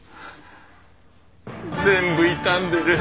全部傷んでる。